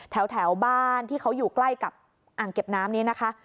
แถวบ้านที่เขาอยู่ใกล้กับอ่างเก็บน้ำนี้นะคะ